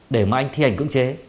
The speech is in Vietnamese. để mà anh thi hành cưỡng chế